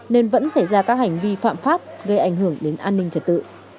nên vẫn xảy ra các hành vi phạm pháp gây ảnh hưởng đến an ninh trật tự